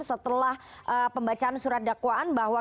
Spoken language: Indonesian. setelah pembacaan surat dakwaan bahwa